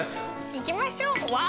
行きましょうわぁ！